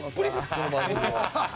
この番組は。